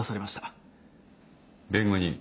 弁護人。